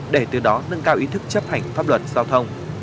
để từ đó nâng cao ý thức chấp hành pháp luật giao thông